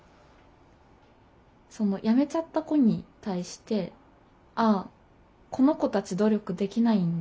そのやめちゃった子に対してああこの子たち努力できないんだ。